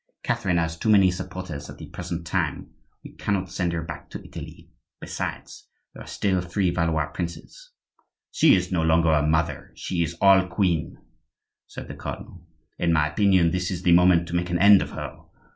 Catherine has too many supporters at the present time; we cannot send her back to Italy. Besides, there are still three Valois princes—" "She is no longer a mother, she is all queen," said the cardinal. "In my opinion, this is the moment to make an end of her.